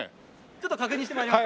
ちょっと確認して参ります。